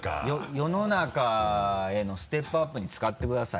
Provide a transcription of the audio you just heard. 世の中へのステップアップに使ってください